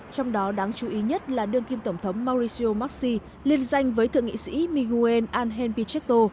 trong đó đáng chú ý nhất là đương kim tổng thống mauricio marci liên danh với thượng nghị sĩ miguel angel pichetto